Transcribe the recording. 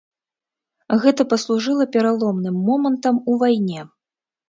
Гэта паслужыла пераломным момантам у вайне.